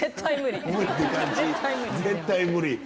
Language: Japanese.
絶対無理。